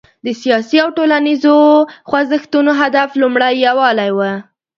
د سیاسي او ټولنیزو خوځښتونو هدف لومړی یووالی و.